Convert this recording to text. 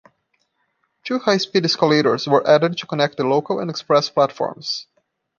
Two high speed escalators were added to connect the local and express platforms.